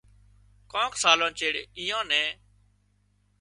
ڪانڪ سالان چيڙ ايئان نين